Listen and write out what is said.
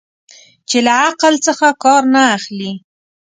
چې له عقل څخه کار نه اخلي.